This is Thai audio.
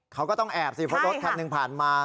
เขาก็ต้องแอบสิเพราะรถคันหนึ่งผ่านมา